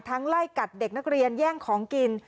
ไล่กัดเด็กนักเรียนแย่งของกิน